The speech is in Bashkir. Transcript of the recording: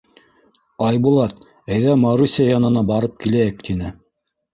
— Айбулат, әйҙә, Маруся янына барып киләйек, — тине.